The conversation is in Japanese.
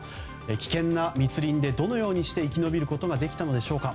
危険な密林でどのように生き延びることができたのでしょうか。